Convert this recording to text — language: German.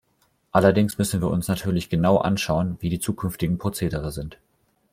Allerdings müssen wir uns natürlich genau anschauen, wie die zukünftigen Procedere sind.